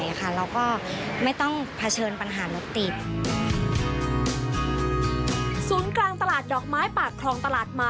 แล้วก็ไม่ต้องเผชิญปัญหานกติด